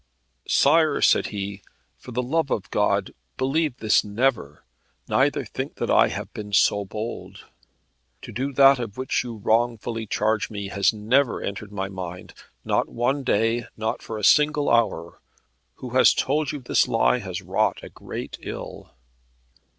"Sire," said he, "for the love of God believe this never, neither think that I have been so bold. To do that of which you wrongfully charge me, has never entered my mind, not one day, nor for one single hour. Who has told you this lie has wrought a great ill."